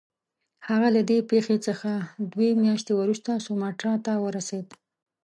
هغه له دې پیښې څخه دوې میاشتې وروسته سوماټرا ته ورسېد.